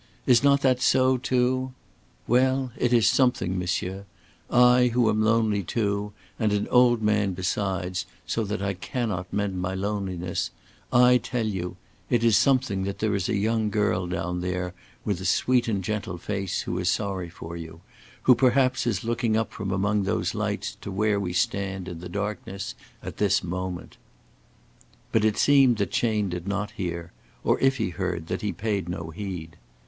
Is not that so, too? Well, it is something, monsieur I, who am lonely too, and an old man besides, so that I cannot mend my loneliness, I tell you it is something that there is a young girl down there with a sweet and gentle face who is sorry for you, who perhaps is looking up from among those lights to where we stand in the darkness at this moment." But it seemed that Chayne did not hear, or, if he heard, that he paid no heed.